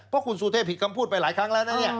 เพราะคุณสุเทพผิดคำพูดไปหลายครั้งแล้วนะเนี่ย